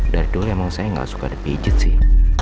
dari dulu emang saya gak suka dipijit sih